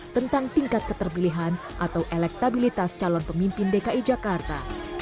tentang tingkat keterpilihan atau elektabilitas calon pemimpin dki jakarta